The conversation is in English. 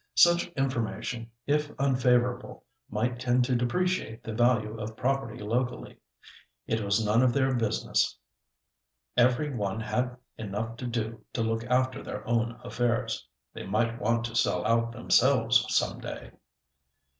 Such information, if unfavourable, might tend to depreciate the value of property locally. It was none of their business. Every one had enough to do to look after their own affairs. They might want to sell out themselves some day.